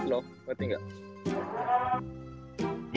soalnya punya pendapat konsumasi kan